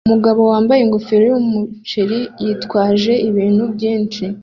Umugabo wambaye ingofero yumuceri yitwaje ibintu byinshi